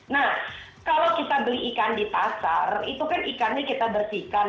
nah kalau kita beli ikan di pasar itu kan ikannya kita bersihkan